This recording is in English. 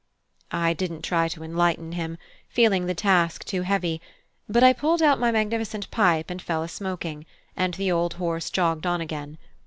I didn't try to enlighten him, feeling the task too heavy; but I pulled out my magnificent pipe and fell a smoking, and the old horse jogged on again.